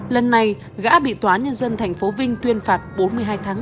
lần này gã bị tóa nhân dân thành phố vinh tuyên phạt bốn mươi hai tháng